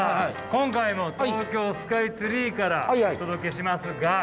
今回も東京スカイツリーからお届けしますが。